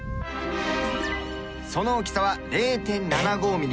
その大きさは０．７５ミリ。